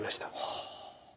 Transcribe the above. はあ。